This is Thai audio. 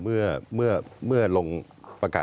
ลุงเอี่ยมอยากให้อธิบดีช่วยอะไรไหม